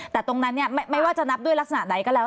แต่ตรงนั้นไม่ว่าจะนับด้วยลักษณะไหนก็แล้ว